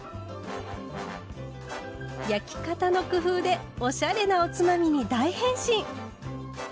焼き方の工夫でおしゃれなおつまみに大変身！